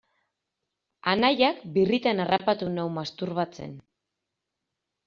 Anaiak birritan harrapatu nau masturbatzen.